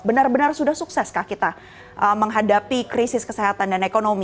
benar benar sudah sukseskah kita menghadapi krisis kesehatan dan ekonomi